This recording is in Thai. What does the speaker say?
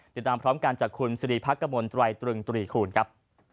ติดตามพร้อมกันจากคุณสิริพักกมลตรายตรึงตรีคูณครับ